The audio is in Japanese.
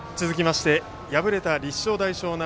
続きまして敗れた立正大淞南